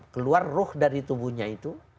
keluar ruh dari tubuhnya itu